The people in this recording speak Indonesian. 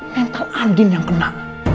mental andin yang kena